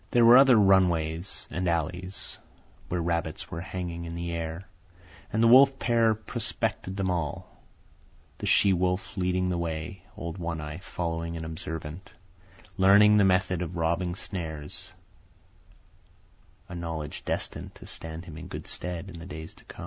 There were other run ways and alleys where rabbits were hanging in the air, and the wolf pair prospected them all, the she wolf leading the way, old One Eye following and observant, learning the method of robbing snares—a knowledge destined to stand him in good stead in the days to